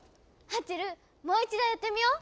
ハッチェルもう一度やってみよう。